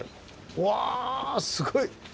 うわすごい！